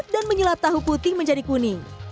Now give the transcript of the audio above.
dan menyelap tahu putih menjadi kuning